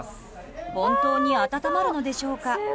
本当に温まるのでしょうか？